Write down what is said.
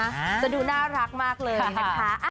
จะดูน่ารักมากเลยนะคะ